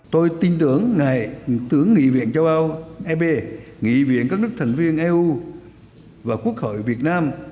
tôi tin tưởng ngài tưởng nghị viện châu âu eb nghị viện các nước thành viên eu và quốc hội việt nam